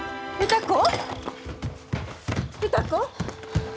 歌子？